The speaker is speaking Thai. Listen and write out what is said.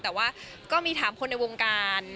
แต่ว่าก็มีถามคนในวงการ